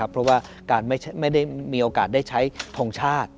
เพราะว่าการไม่ได้มีโอกาสได้ใช้ทงชาติ